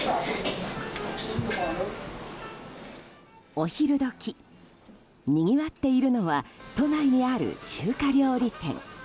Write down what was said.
お昼時、にぎわっているのは都内にある中華料理店。